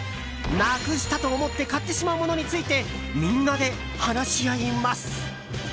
なくしたと思って買ってしまうものについてみんなで話し合います。